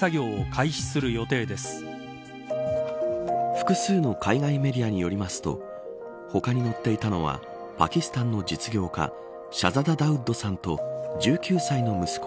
複数の海外メディアによりますと他に乗っていたのはパキスタンの実業家シャザダ・ダウッドさんと１９歳の息子